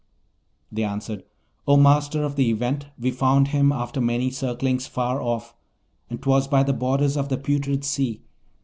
They answered, 'O Master of the Event, we found him after many circlings far off, and 'twas by the borders of the Putrid Sea.